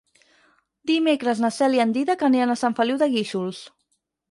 Dimecres na Cel i en Dídac aniran a Sant Feliu de Guíxols.